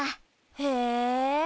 へえ。